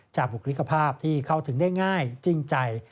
บุคลิกภาพที่เข้าถึงได้ง่ายจริงใจ